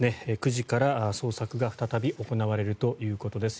９時から捜索が再び行われるということです。